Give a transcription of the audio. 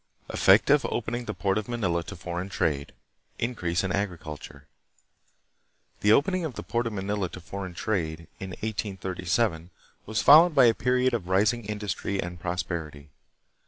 Effect of Opening the Port of Manila to Foreign Trade. Increase in Agriculture. The opening of the port of Manila to foreign trade, in 1837, was followed by a period of rising industry and prosperity.